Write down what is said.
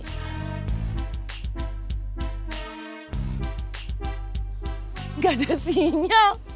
gak ada sinyal